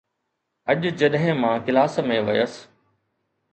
اڄ جڏهن مان ڪلاس ۾ ويس